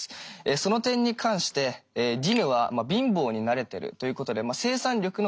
その点に関してディヌは貧乏に慣れてるということで生産力の低下は考えにくい。